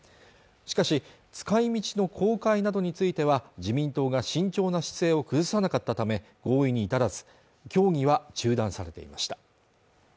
しかし使いみちの公開などについては自民党が慎重な姿勢を崩さなかったため合意に至らず協議は中断されていました